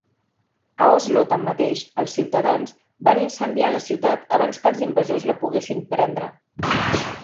A Oslo, tanmateix, els ciutadans van incendiar la ciutat abans que els invasors la poguessin prendre.